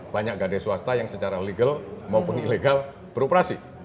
banyak gade swasta yang secara legal maupun ilegal beroperasi